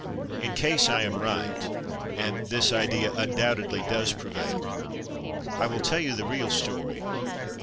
'' In case I am right (and this idea undoubt edly does prevail), I will tell you the real story.